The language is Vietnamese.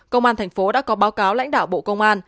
công an tp đã có báo cáo lãnh đạo bộ công an